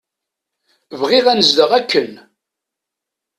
Bɣiɣ anezdeɣ akken.